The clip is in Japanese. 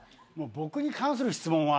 僕に関する質問は。